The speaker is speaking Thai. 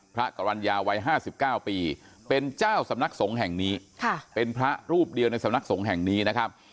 พระกรรณญาวัย๕๙ปีเป็นเจ้าสำนักสงฆ์แห่งนี้เป็นพระรูปเดียวในสำนักสงฆ์แห่งนี้นะครับ